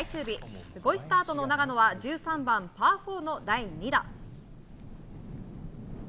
５位スタートの永野は１３番、パー４の第２打。